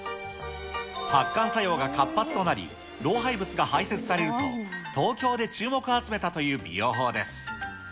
発汗作用が活発となり、老廃物が排せつされると、東京で注目を集めたという美容法です。